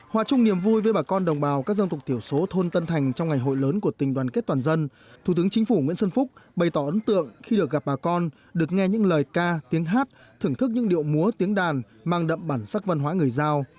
hòa chung niềm vui với bà con đồng bào các dân tộc thiểu số thôn tân thành trong ngày hội lớn của tình đoàn kết toàn dân thủ tướng chính phủ nguyễn xuân phúc bày tỏ ấn tượng khi được gặp bà con được nghe những lời ca tiếng hát thưởng thức những điệu múa tiếng đàn mang đậm bản sắc văn hóa người giao